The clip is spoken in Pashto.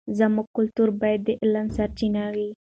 زموږ کلتور باید د علم سرچینه وي.